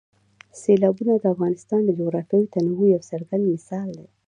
سیلابونه د افغانستان د جغرافیوي تنوع یو څرګند مثال دی.